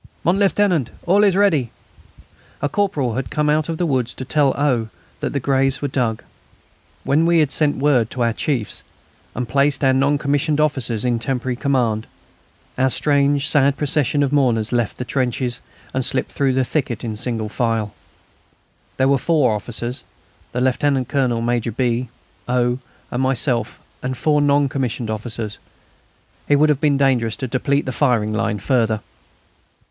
"Mon Lieutenant, it's all ready." A corporal had come out of the wood to tell O. that the graves were dug. When we had sent word to our chiefs, and placed our non commissioned officers in temporary command, our strange, sad procession of mourners left the trenches and slipped through the thicket in single file. There were four officers, the Lieutenant Colonel, Major B., O., and myself and four non commissioned officers. It would have been dangerous to deplete the firing line further.